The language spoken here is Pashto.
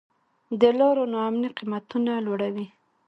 د لارو نا امني قیمتونه لوړوي.